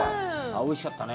おいしかったね。